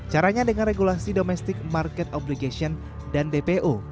caranya dengan regulasi domestic market obligation dan dpo